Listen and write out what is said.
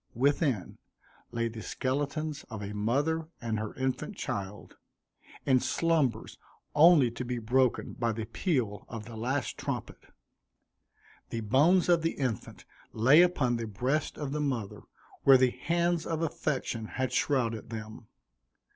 Within lay the skeletons of a mother and her infant child, in slumbers only to be broken by the peal of the last trumpet. The bones of the infant lay upon the breast of the mother, where the hands of affection had shrouded them.